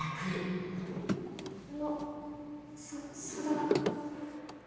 あのそ相談。